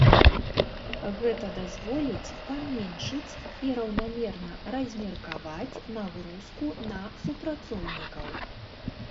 Гэта дазволіць паменшыць і раўнамерна размеркаваць нагрузку на супрацоўнікаў.